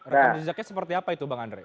rekam jejaknya seperti apa itu bang andre